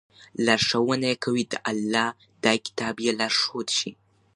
لارښوونه ئې كوي، د الله دا كتاب ئې لارښود شي